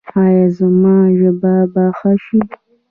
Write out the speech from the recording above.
ایا زما ژبه به ښه شي؟